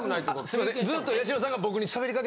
すいません。